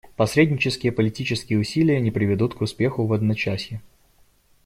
Посреднические политические усилия не приведут к успеху в одночасье.